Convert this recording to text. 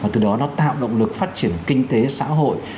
từ đó nó tạo động lực phát triển kinh tế xã hội